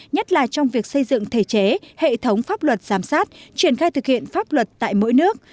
nhất là trong việc xây dựng thể chế hệ thống pháp luật giám sát triển khai thực hiện pháp luật tại mỗi nước